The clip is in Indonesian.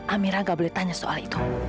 amira gak boleh tanya soal itu